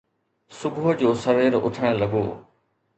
صبح جو سوير اٿڻ لڳو